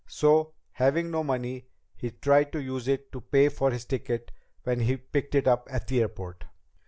So, having no money, he tried to use it to pay for his ticket when he picked it up at the airport.